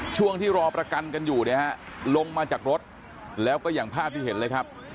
ช่วงที่รอประกันกันอยู่เนี่ยฮะลงมาจากรถแล้วก็อย่างภาพที่เห็นเลยครับ